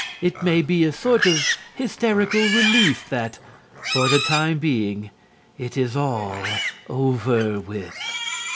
It may be a sort of hysterical relief that, for the time being, it is all over with.